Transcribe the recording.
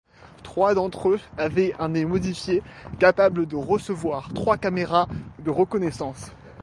Trois d'entre eux avaient un nez modifié capable de recevoir trois caméras de reconnaissance.